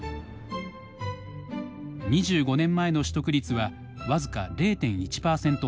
２５年前の取得率は僅か０．１％ほど。